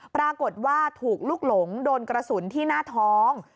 ปรากฏว่าถูกลุกหลงโดนกระสุนที่หน้าท้อง